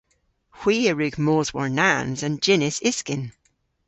Hwi a wrug mos war-nans an jynnys-yskyn.